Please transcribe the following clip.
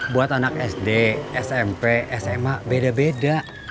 buat anak sd smp sma beda beda